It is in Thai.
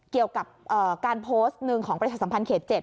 เกี่ยวกับการโพสต์หนึ่งของประชาสัมพันธ์เขต๗